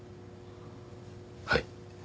はい。